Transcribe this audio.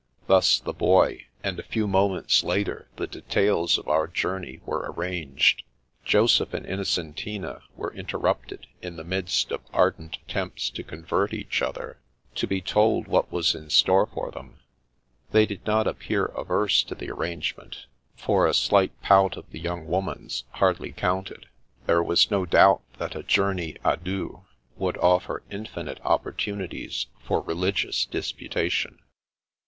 Thus the Boy ; and a few moments later the details of our journey were arranged. Joseph and Inno centina were interrupted in the midst of ardent at tempts to convert one another, to be told what was in store for them. They did not appear averse to the arrangement, for a slight pout of the young woman's hardly counted ; there was no doubt that a journey d deux would offer infinite opportunities for religious disputation.